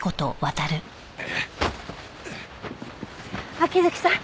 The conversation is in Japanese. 秋月さん。